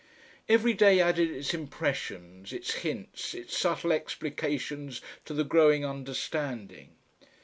Every day added its impressions, its hints, its subtle explications to the growing understanding.